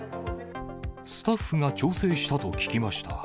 スタッフが調整したと聞きました。